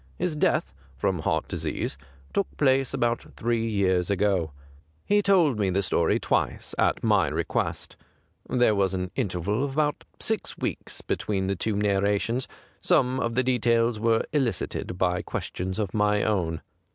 His death, from heart disease, took place about three years ago. He told me the story twice, at my request j there was an interval of about six weeks between the two narrations ; some of the details were elicited by questions of my own.